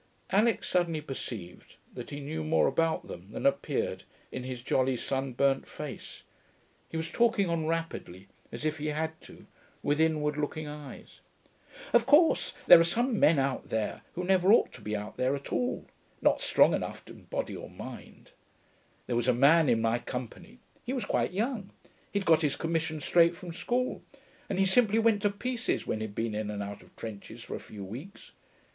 Alix suddenly perceived that he knew more about them than appeared in his jolly, sunburnt face; he was talking on rapidly, as if he had to, with inward looking eyes. 'Of course there are some men out there who never ought to be there at all; not strong enough in body or mind. There was a man in my company; he was quite young; he'd got his commission straight from school; and he simply went to pieces when he'd been in and out of trenches for a few weeks.